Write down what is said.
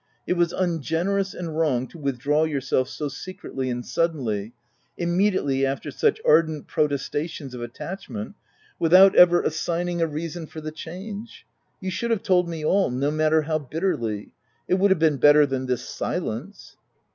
It was ungenerous and wrong to withdraw yourself so secretly and suddenly, immediately after such ardent protestations of attachment, without ever assigning a reason for the change. You should have told me all — no matter how bitterly — It would have been better than this silence."